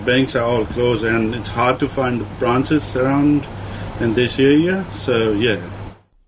bank banknya semua terhutang dan susah untuk menemukan perang di area ini